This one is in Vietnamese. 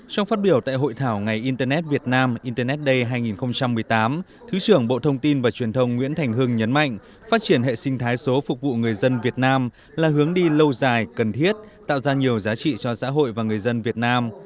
trong phát biểu tại hội thảo ngày internet việt nam internet day hai nghìn một mươi tám thứ trưởng bộ thông tin và truyền thông nguyễn thành hưng nhấn mạnh phát triển hệ sinh thái số phục vụ người dân việt nam là hướng đi lâu dài cần thiết tạo ra nhiều giá trị cho xã hội và người dân việt nam